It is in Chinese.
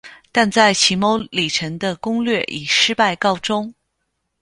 但在骑牟礼城的攻略以失败告终。